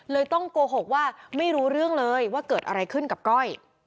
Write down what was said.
ต้องโกหกว่าไม่รู้เรื่องเลยว่าเกิดอะไรขึ้นกับก้อย